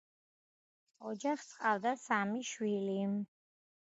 ოჯახს ჰყავდა სამი შვილი.